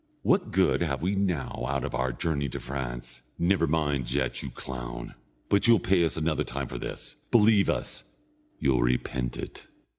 What good have we now out of our journey to France? Never mind yet, you clown, but you'll pay us another time for this. Believe us, you'll repent it."